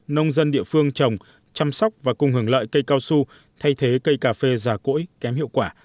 nông dân địa phương trồng chăm sóc và cùng hưởng lợi cây cao su thay thế cây cà phê già cỗi kém hiệu quả